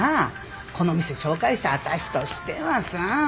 この店紹介した私としてはさ。